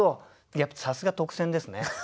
やっぱさすが特選ですね。